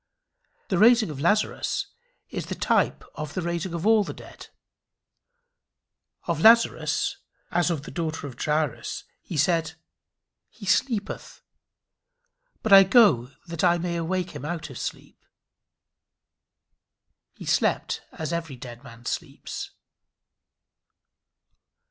The raising of Lazarus is the type of the raising of all the dead. Of Lazarus, as of the daughter of Jairus, he said "he sleepeth; but I go that I may awake him out of sleep." He slept as every dead man sleeps.